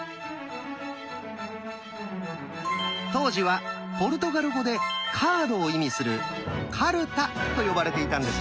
当時はポルトガル語でカードを意味する「カルタ」と呼ばれていたんですよ。